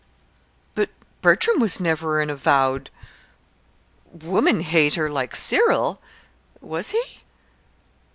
"But Bertram was never an avowed woman hater, like Cyril, was he?"